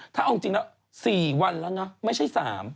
ถ้าเอาจริงแล้ว๔วันแล้วนะไม่ใช่๓